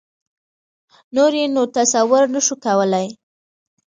نور یې نو تصور نه شو کولای.